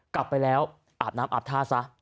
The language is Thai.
กลับไปแล้วอาบน้ำอาบท่าซะ